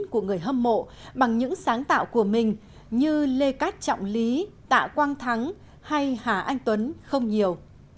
của người hâm mộ bằng những sáng tạo của mình như lê cát trọng lý tạ quang thắng hay hà anh tuấn không nhiều